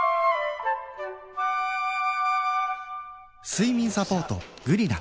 睡眠サポート「グリナ」